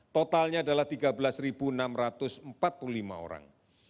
totalnya adalah tiga belas enam ratus empat puluh lima orang